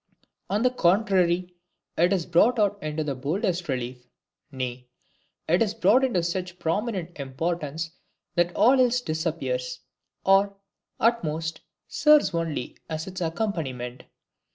On the contrary, it is brought out in the boldest relief, nay, it is brought into such prominent importance that all else disappears, or, at most, serves only as its accompaniment.